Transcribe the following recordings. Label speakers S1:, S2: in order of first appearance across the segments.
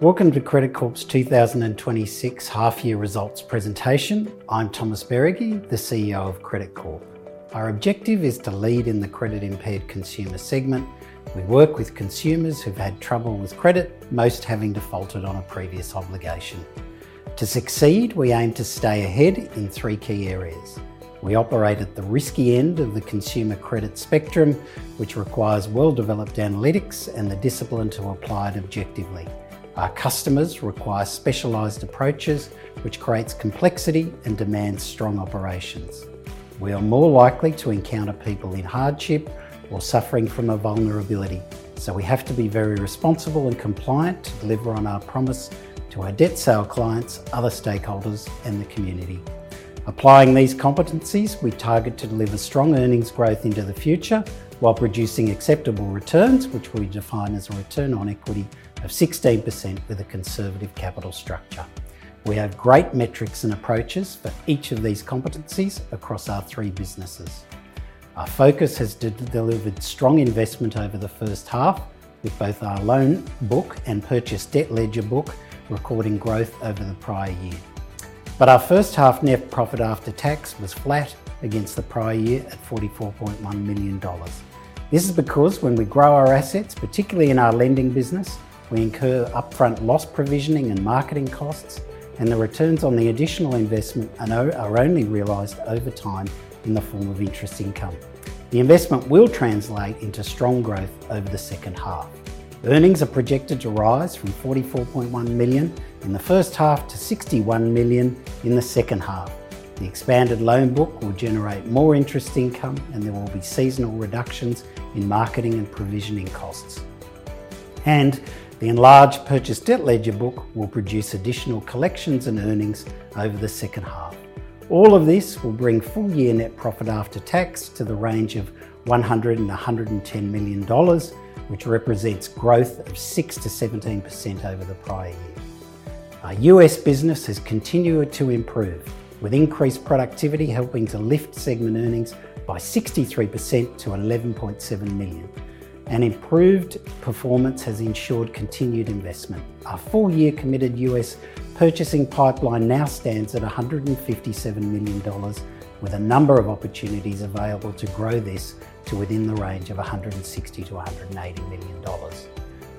S1: Welcome to Credit Corp's 2026 half-year results presentation. I'm Thomas Beregi, the CEO of Credit Corp. Our objective is to lead in the credit-impaired consumer segment. We work with consumers who've had trouble with credit, most having defaulted on a previous obligation. To succeed, we aim to stay ahead in three key areas. We operate at the risky end of the consumer credit spectrum, which requires well-developed analytics and the discipline to apply it objectively. Our customers require specialized approaches, which creates complexity and demands strong operations. We are more likely to encounter people in hardship or suffering from a vulnerability, so we have to be very responsible and compliant to deliver on our promise to our debt sale clients, other stakeholders, and the community. Applying these competencies, we target to deliver strong earnings growth into the future while producing acceptable returns, which we define as a return on equity of 16% with a conservative capital structure. We have great metrics and approaches for each of these competencies across our three businesses. Our focus has delivered strong investment over the first half, with both our loan book and purchased debt ledger book recording growth over the prior year. But our first-half net profit after tax was flat against the prior year at 44.1 million dollars. This is because when we grow our assets, particularly in our lending business, we incur upfront loss provisioning and marketing costs, and the returns on the additional investment are only realized over time in the form of interest income. The investment will translate into strong growth over the second half. Earnings are projected to rise from 44.1 million in the first half to 61 million in the second half. The expanded loan book will generate more interest income, and there will be seasonal reductions in marketing and provisioning costs. The enlarged purchased debt ledger book will produce additional collections and earnings over the second half. All of this will bring full-year net profit after tax to the range of 100 million-110 million dollars, which represents growth of 6%-17% over the prior year. Our U.S. business has continued to improve, with increased productivity helping to lift segment earnings by 63% to $11.7 million. Improved performance has ensured continued investment. Our full-year committed U.S. purchasing pipeline now stands at 157 million dollars, with a number of opportunities available to grow this to within the range of 160 million-180 million dollars.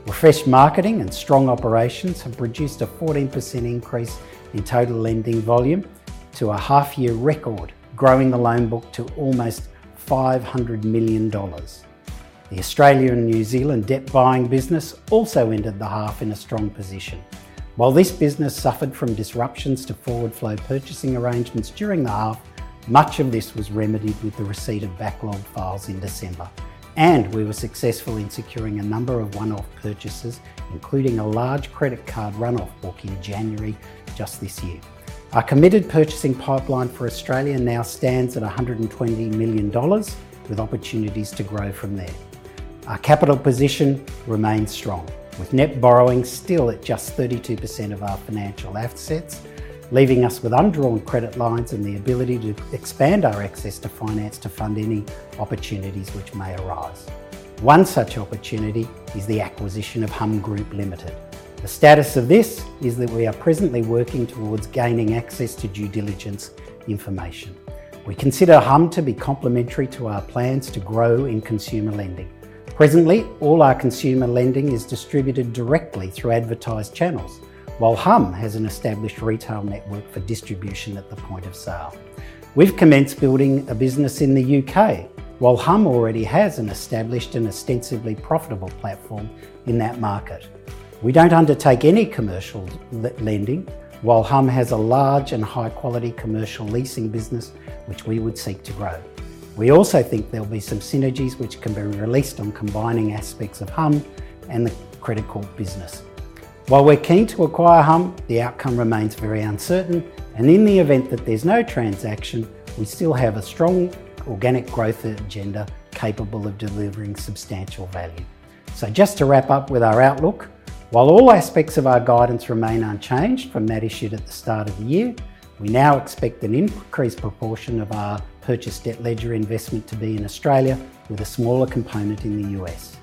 S1: Refreshed marketing and strong operations have produced a 14% increase in total lending volume to a half-year record, growing the loan book to almost 500 million dollars. The Australia and New Zealand debt buying business also ended the half in a strong position. While this business suffered from disruptions to forward-flow purchasing arrangements during the half, much of this was remedied with the receipt of backlog files in December, and we were successful in securing a number of one-off purchases, including a large credit card runoff book in January just this year. Our committed purchasing pipeline for Australia now stands at 120 million dollars, with opportunities to grow from there. Our capital position remains strong, with net borrowing still at just 32% of our financial assets, leaving us with undrawn credit lines and the ability to expand our access to finance to fund any opportunities which may arise. One such opportunity is the acquisition of Humm Group Limited. The status of this is that we are presently working towards gaining access to due diligence information. We consider Humm to be complementary to our plans to grow in consumer lending. Presently, all our consumer lending is distributed directly through advertised channels, while Humm has an established retail network for distribution at the point of sale. We've commenced building a business in the U.K., while Humm already has an established and extensively profitable platform in that market. We don't undertake any commercial lending, while Humm has a large and high-quality commercial leasing business which we would seek to grow. We also think there'll be some synergies which can be released on combining aspects of Humm and the Credit Corp business. While we're keen to acquire Humm, the outcome remains very uncertain, and in the event that there's no transaction, we still have a strong organic growth agenda capable of delivering substantial value. So just to wrap up with our outlook, while all aspects of our guidance remain unchanged from that issued at the start of the year, we now expect an increased proportion of our purchased debt ledger investment to be in Australia, with a smaller component in the U.S.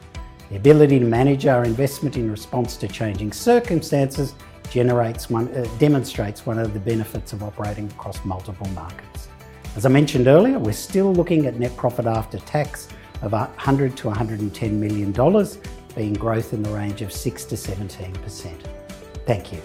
S1: The ability to manage our investment in response to changing circumstances demonstrates one of the benefits of operating across multiple markets. As I mentioned earlier, we're still looking at net profit after tax of 100 million-110 million dollars, being growth in the range of 6%-17%. Thank you.